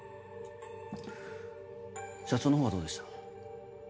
社長のほうはどうでした？